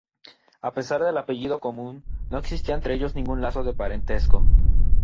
A pesar del apellido común, no existía entre ellos ningún lazo de parentesco.